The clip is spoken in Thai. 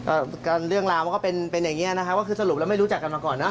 เรื่องราวมันก็เป็นเป็นอย่างเงี้นะคะก็คือสรุปแล้วไม่รู้จักกันมาก่อนเนอ